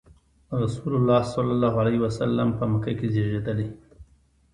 رسول الله ﷺ په مکه کې زېږېدلی.